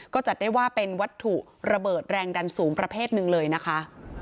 ก็จัดได้ว่าเป็นวัตถุระเบิดแรงดันสูงประเภทหนึ่งเลยนะคะ